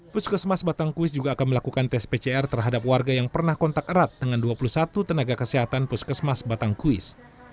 puskesmas batangkuis juga akan melakukan tes pcr terhadap warga yang pernah kontak erat dengan dua puluh satu tenaga kesehatan puskesmas batangkuis